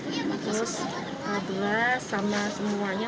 terus abra sama semuanya